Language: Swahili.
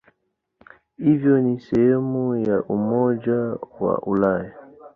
Hivyo ni sehemu ya Umoja wa Ulaya.